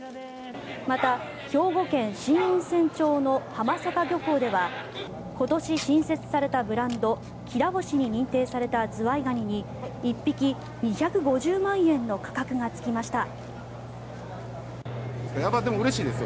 また兵庫県新温泉町の浜坂漁港では今年新設されたブランド「煌星」に認定されたズワイガニに１匹２５０万円の価格がつきました。